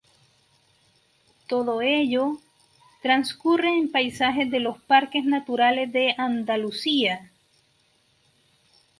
Todo ello, transcurre en paisajes de los Parques Naturales de Andalucía.